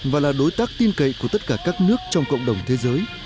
và là đối tác tin cậy của tất cả các nước trong cộng đồng thế giới